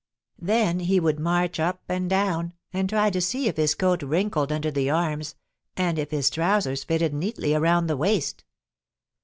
Then he would march up and down and try to see if his coat wrinkled under the arms and if his trousers fitted neatly around the waist.